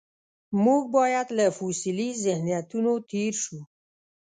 موږ باید له فوسیلي ذهنیتونو تېر شو.